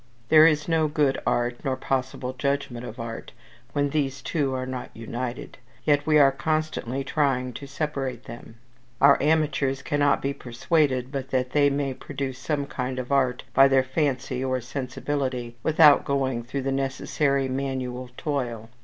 There is no good art, nor possible judgment of art, when these two are not united; yet we are constantly trying to separate them. Our amateurs cannot be persuaded but that they may produce some kind of art by their fancy or sensibility, without going through the necessary manual toil.